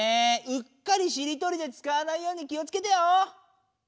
うっかりしりとりでつかわないように気をつけてよ！